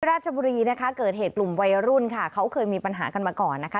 ราชบุรีนะคะเกิดเหตุกลุ่มวัยรุ่นค่ะเขาเคยมีปัญหากันมาก่อนนะคะ